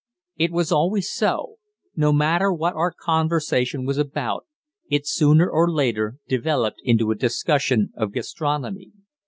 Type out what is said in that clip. It was always so no matter what our conversation was about, it sooner or later developed into a discussion of gastronomy.